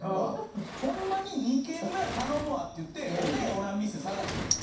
ほんまに２軒目は頼むわって言ってオネエおらん店探したんですよ。